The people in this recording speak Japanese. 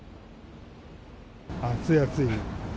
暑い、暑い。